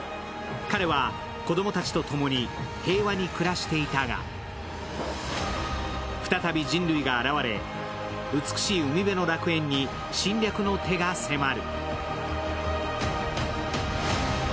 彼は子供たちと共に平和に暮らしていたが再び人類が現れ美しい海辺の楽園に侵略の手が迫る。